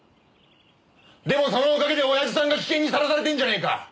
でもそのおかげでおやじさんが危険にさらされてんじゃねえか！